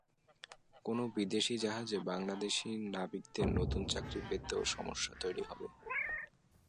কোনো বিদেশি জাহাজে বাংলাদেশি নাবিকদের নতুন চাকরি পেতেও সমস্যা তৈরি হবে।